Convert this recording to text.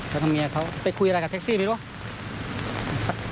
แล้วก็เมียเขาไปคุยอะไรกับแท็กซี่ไม่รู้